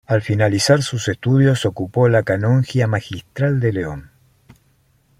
Al finalizar sus estudios ocupó la canonjía magistral de León.